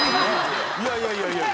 いやいやいやいや！